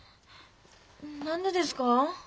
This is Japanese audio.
何でですか？